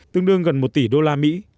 tương đương gần một tỷ đô la mỹ